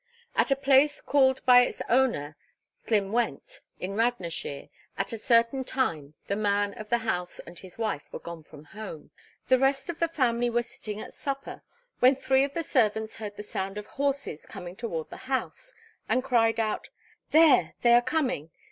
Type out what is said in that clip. At a place called by its owner Llynwent, in Radnorshire, at a certain time the man of the house and his wife were gone from home. The rest of the family were sitting at supper, when three of the servants heard the sound of horses coming toward the house, and cried out, 'There, they are coming!'